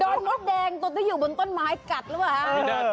โดนมสแดงตัวที่อยู่บนต้นไม้กัดละวะ